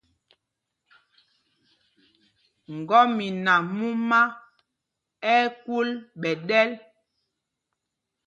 Ŋgɔmina mumá ɛ́ ɛ́ kúl ɓɛ̌ ɗɛl.